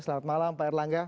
selamat malam pak erlangga